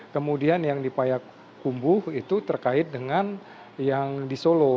kemudian yang di payakumbuh itu terkait dengan yang di solo